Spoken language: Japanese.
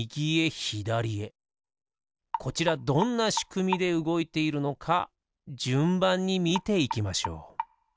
こちらどんなしくみでうごいているのかじゅんばんにみていきましょう。